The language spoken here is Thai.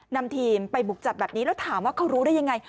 นำทีมไปบุกจับแบบนี้แล้วถามว่าเขารู้ได้ยังไง